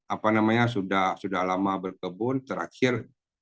apa namanya sudah lama berkebun terakhir